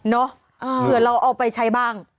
น๊ออืมเผื่อเราเอาไปใช้บ้าง